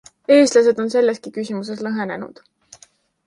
Eestlased on selleski küsimuses lõhenenud.